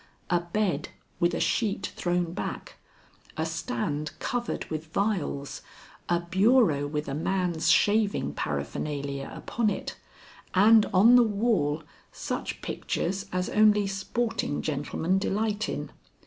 A bed with a sheet thrown back, a stand covered with vials, a bureau with a man's shaving paraphernalia upon it, and on the wall such pictures as only sporting gentlemen delight in.